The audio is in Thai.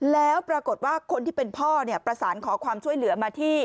แล้วปรากฏว่าคนที่เป็นพ่อประสานขอความช่วยเหลือมาที่